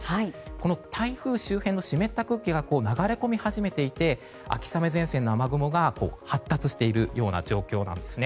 この台風周辺の湿った空気が流れ込み始めていて秋雨前線の雨雲が発達しているような状況です。